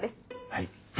はい。